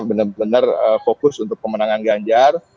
benar benar fokus untuk pemenangan ganjar